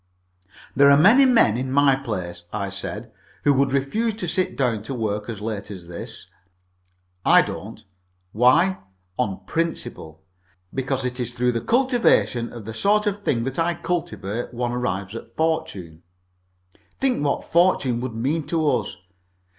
"There are many men in my place," I said, "who would refuse to sit down to work as late as this. I don't. Why? On principle. Because it's through the cultivation of the sort of thing that I cultivate one arrives at fortune. Think what fortune would mean to us.